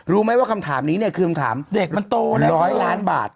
รู้ไหมว่าคำถามนี้เนี่ยคือคำถามเด็กมันโต๑๐๐ล้านบาท